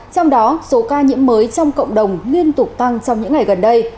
trong đó số ca nhiễm mới trong cộng đồng liên tục tăng trong những ngày gần đây